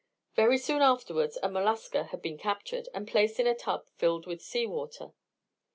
Very soon afterwards a mollusca had been captured, and placed in a tub filled with sea water.